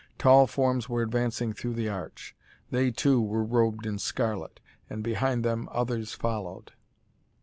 Tall forms were advancing through the arch. They, too, were robed in scarlet, and behind them others followed.